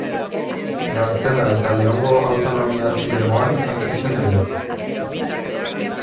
Gaztela eta Leongo autonomia-erkidegoan hain zuzen ere.